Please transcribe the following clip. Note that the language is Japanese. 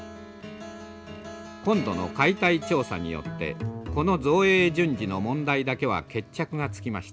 今度の解体調査によってこの造営順次の問題だけは決着がつきました。